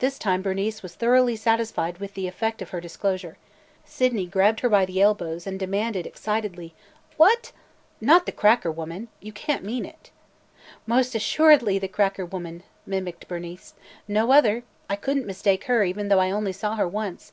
This time Bernice was thoroughly satisfied with the effect of her disclosure. Sydney grabbed her by the elbows and demanded excitedly: "What! Not the cracker woman! You can't mean it!" "Most assuredly, the cracker woman!" mimicked Bernice. "No other. I could n't mistake her, even though I only saw her once.